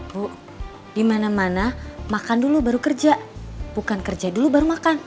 bu di mana mana makan dulu baru kerja bukan kerja dulu baru makan